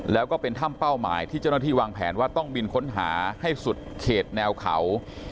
แล้วก็เป็นถ้ำเป้าหมายที่เจ้าหน้าที่วางแผนว่าต้องบินค้นหาให้สุดเขตแนวเขา